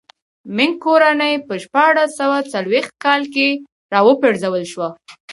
مینګ کورنۍ په شپاړس سوه څلوېښت کاله کې را و پرځول شوه.